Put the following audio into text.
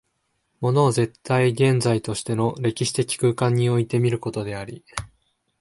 物を絶対現在としての歴史的空間において見ることであり、